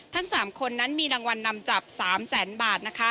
ทั้ง๓คนนั้นมีรางวัลนำจับ๓๐๐๐๐๐บาท